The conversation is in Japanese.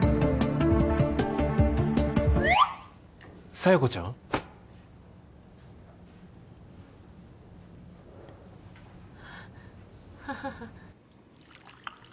佐弥子ちゃん？ハハハ